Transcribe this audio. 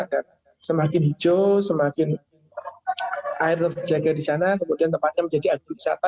yang kedua kemudian air yang dijaga di sana kemudian tempatnya menjadi agro wisata